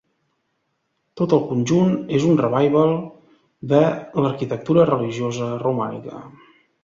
Tot el conjunt és un revival de l'arquitectura religiosa romànica.